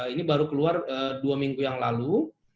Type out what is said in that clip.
ini baru keluar dua minggu yang lalu